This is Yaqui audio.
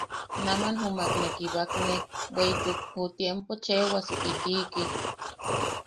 Naman jumak ne kibakne bweʼituk ju tiempo cheʼebwasu iliki.